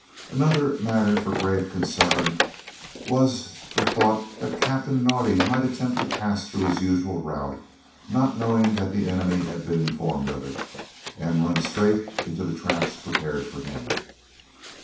Another matter for grave concern was the thought that Captain Naudé might attempt to pass through his usual route, not knowing that the enemy had been informed of it, and run straight into the traps prepared for him.